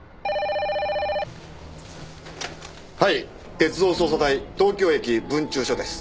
はい鉄道捜査隊東京駅分駐所です。